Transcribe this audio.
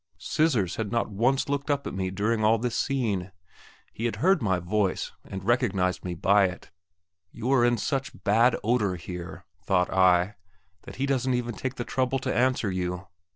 "Scissors" had not once looked up at me during all this scene; he had heard my voice, and recognized me by it. You are in such bad odour here, thought I, that he doesn't even take the trouble to answer you.